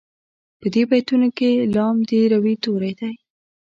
په دې بیتونو کې لام د روي توری دی.